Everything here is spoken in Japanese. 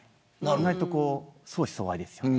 意外と相思相愛ですよね。